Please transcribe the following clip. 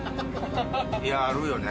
いやあるよね。